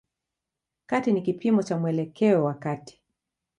Kati ni kipimo cha mwelekeo wa kati.